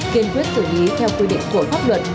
kiên quyết xử lý theo quy định của pháp luật